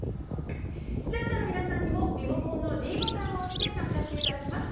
視聴者の皆さんにもリモコンのｄボタンを押して参加していただきます。